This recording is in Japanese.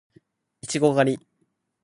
いちご狩り